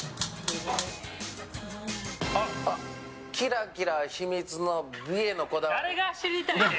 キラキラの秘密美へのこだわり。